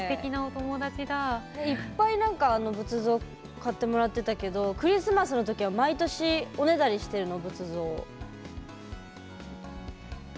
いっぱい、仏像買ってもらってたけどクリスマスの時は毎年おねだりしてるの？